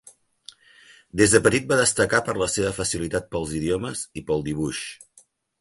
Des de petit va destacar per la seva facilitat pels idiomes i pel dibuix.